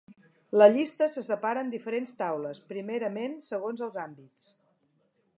La llista se separa en diferents taules, primerament segons els àmbits.